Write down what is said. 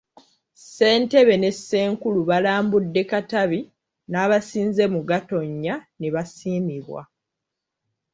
Ssentebe ne Ssenkulu balambudde Katabi n'abaasinze mu Gatonnya nebasiimibwa.